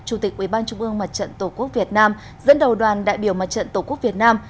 chủ tịch ubnd tổ quốc việt nam dẫn đầu đoàn đại biểu mặt trận tổ quốc việt nam